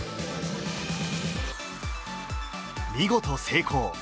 見事成功。